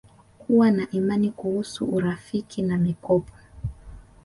Kuwa na imani Kuhusu urafiki na mikopo